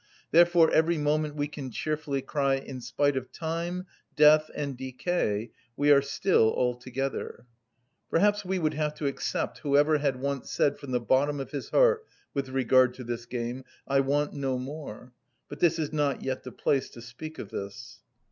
Therefore every moment we can cheerfully cry, "In spite of time, death, and decay, we are still all together!" Perhaps we would have to except whoever had once said from the bottom of his heart, with regard to this game, "I want no more." But this is not yet the place to speak of this.